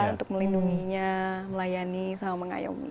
untuk melindunginya melayani sama mengayomi